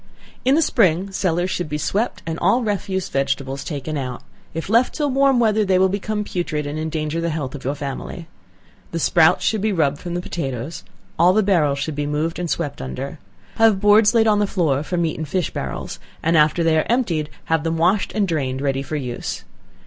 In the spring, cellars should be swept, and all refuse vegetables taken out; if left till warm weather, they will become putrid, and endanger the health of your family. The sprouts should be rubbed from the potatoes; all the barrels should be moved and swept under. Have boards laid on the floor for meat and fish barrels, and after they are emptied, have them washed and drained ready for use.